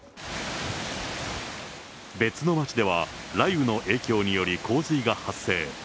別の街では、雷雨の影響により洪水が発生。